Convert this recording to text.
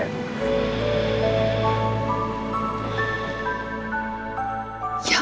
kamu udah bangun dulu ya